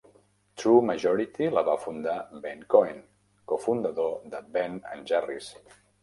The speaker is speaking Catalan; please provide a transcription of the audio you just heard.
TrueMajority la va fundar Ben Cohen, cofundador de Ben and Jerry's.